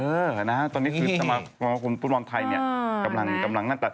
เออตอนนี้คือสมัครคุมฟุตบอลไทยกำลังนั่น